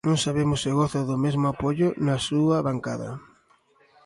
Non sabemos se goza do mesmo apoio na súa bancada.